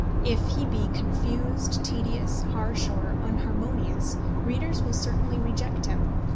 If he be confused, tedious, harsh, or unharmonious, readers will certainly reject him.